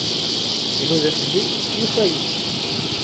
Inuda fell-i, yufa-iyi.